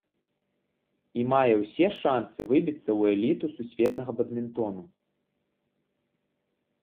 І мае ўсе шанцы выбіцца ў эліту сусветнага бадмінтону.